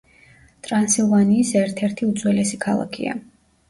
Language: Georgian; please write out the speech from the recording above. ტრანსილვანიის ერთ-ერთი უძველესი ქალაქია.